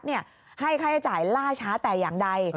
ให้ค่าใช้จ่ายล่าช้าแต่อย่างใด